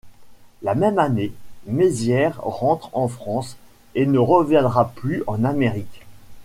La même année, Mézière rentre en France et ne reviendra plus en Amérique.